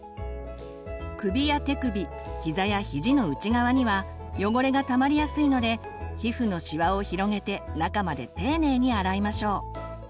首や手首ひざやひじの内側には汚れがたまりやすいので皮膚のシワを広げて中まで丁寧に洗いましょう。